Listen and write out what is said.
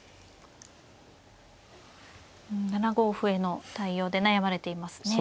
うん７五歩への対応で悩まれていますね。